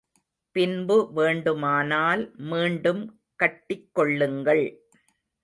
பின்பு வேண்டுமானால் மீண்டும் கட்டிக் கொள்ளுங்கள்.